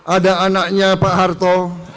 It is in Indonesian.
ada anaknya pak harto